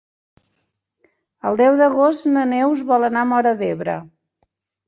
El deu d'agost na Neus vol anar a Móra d'Ebre.